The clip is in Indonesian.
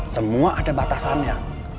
semua ada batasannya